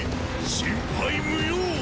心配無用！